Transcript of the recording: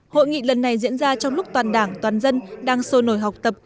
hội nghị lần này diễn ra trong lúc toàn đảng toàn dân đang sôi nổi học tập